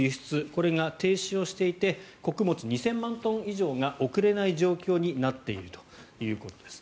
これが停止していて穀物２０００万トン以上が送れない状況になっているということです。